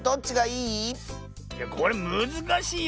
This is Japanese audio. いやこれむずかしいよ。